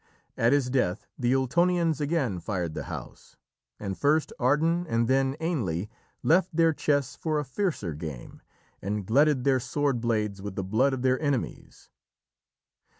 At his death the Ultonians again fired the house, and first Ardan and then Ainle left their chess for a fiercer game, and glutted their sword blades with the blood of their enemies.